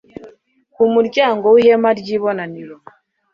ku muryango w'ihema ry'ibonaniro